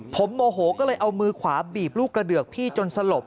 ผมโมโหก็เลยเอามือขวาบีบลูกกระเดือกพี่จนสลบ